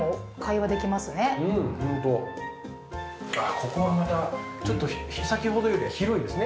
ここはまたちょっと先ほどよりは広いですね。